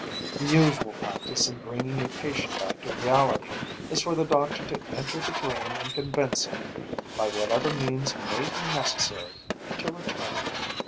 "The usual practice in bringing a patient back to reality is for the doctor to enter the dream and convince him, by whatever means may be necessary, to return.